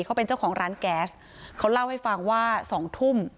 เขาเป็นเจ้าของร้านแก๊สเขาเล่าให้ฟังว่าสองทุ่ม